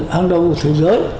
hàng đầu của thế giới